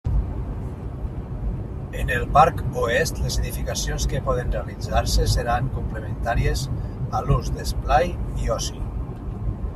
En el parc oest, les edificacions que poden realitzar-se seran complementàries a l'ús d'esplai i oci.